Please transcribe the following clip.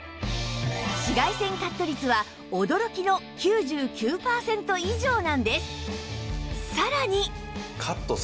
紫外線カット率は驚きの９９パーセント以上なんです